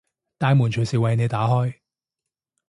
大門隨時為你打開